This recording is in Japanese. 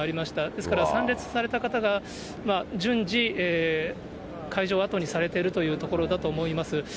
ですから、参列された方が、順次、会場を後にされてるというところだと思います。